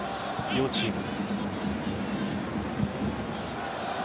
両チーム。